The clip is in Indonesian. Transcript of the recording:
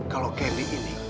kalau candy ini